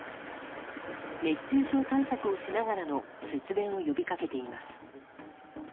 熱中症対策をしながらの節電を呼びかけています。